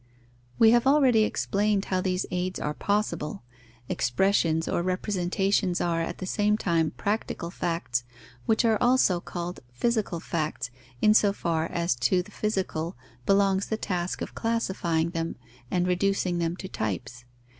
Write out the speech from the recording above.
_ We have already explained how these aids are possible. Expressions or representations are, at the same time, practical facts, which are also called physical facts, in so far as to the physical belongs the task of classifying them and reducing them to types.